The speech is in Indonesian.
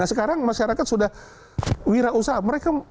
nah sekarang masyarakat sudah wirausaha